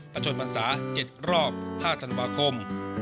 ประชนภาษา๗รอบ๕ธันวาคม